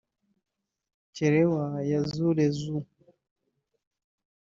Kerewa ya Zule Zoo